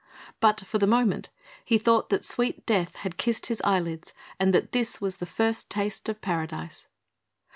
But for the moment he thought that sweet death had kissed his eyelids and that this was the first taste of paradise.